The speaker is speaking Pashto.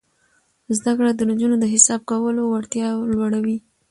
زده کړه د نجونو د حساب کولو وړتیا لوړوي.